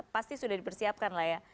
pasti sudah dipersiapkan lah ya